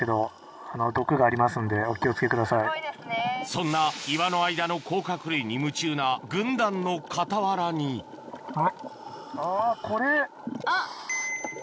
そんな岩の間の甲殻類に夢中な軍団の傍らにあっ。